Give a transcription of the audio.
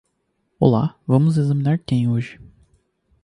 Olá, vamos examinar quem hoje?